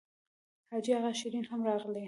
حاجي اغا شېرین هم راغلی و.